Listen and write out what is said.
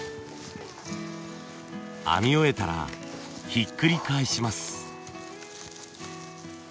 編み終えたらひっくり返します。